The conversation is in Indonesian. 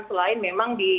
selain memang di